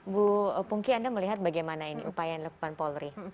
bu pungki anda melihat bagaimana ini upaya yang dilakukan polri